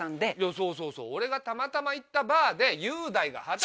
そうそうそう俺がたまたま行ったバーで雄大が働いて。